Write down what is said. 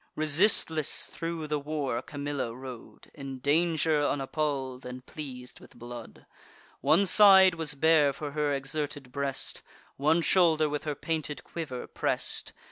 Resistless thro' the war Camilla rode, In danger unappall'd, and pleas'd with blood. One side was bare for her exerted breast; One shoulder with her painted quiver press'd.